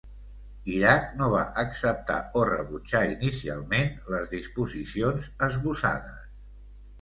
Iraq no va acceptar o rebutjar inicialment les disposicions esbossades.